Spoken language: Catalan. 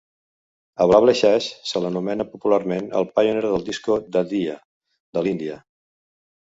A Babla Shah se l'anomena popularment el "Pioner del Disco Dandiya" de l'Índia.